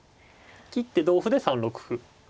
切って同歩で３六歩。